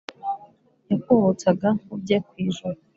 yakubutsaga nkubye ku ijuru.